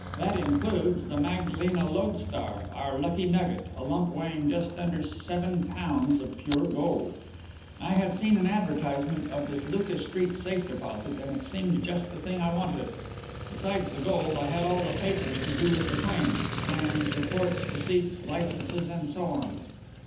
That includes the Magdalena Lodestar, our lucky nugget, a lump weighing just under seven pounds of pure gold. "I had seen an advertisement of this Lucas Street safe deposit and it seemed just the thing I wanted. Besides the gold, I had all the papers to do with the claims plans, reports, receipts, licences and so on.